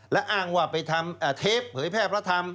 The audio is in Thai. และอ้างว่าไปทำเทปเผยแพร่พระธรรม